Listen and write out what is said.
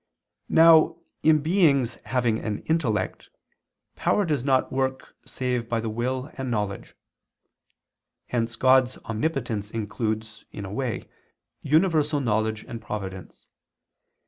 Now in beings having an intellect, power does not work save by the will and knowledge. Hence God's omnipotence includes, in a way, universal knowledge and providence.